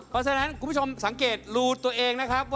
เพราะฉะนั้นคุณผู้ชมสังเกตรูตัวเองนะครับ